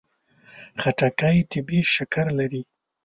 خټکی طبیعي شکر لري.